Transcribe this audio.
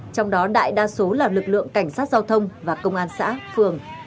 trong đó đại đa số là lực lượng cảnh sát giao thông và công an xã phường